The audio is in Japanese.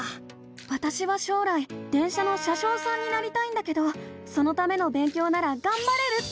わたしは将来電車の車しょうさんになりたいんだけどそのための勉強ならがんばれるって思ったの！